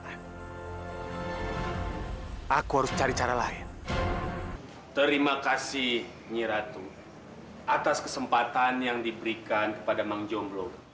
nyi ratu atas kesempatan yang diberikan kepada mang jonglo